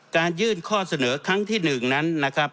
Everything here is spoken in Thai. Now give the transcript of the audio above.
การยื่นข้อเสนอครั้งที่๑นั้น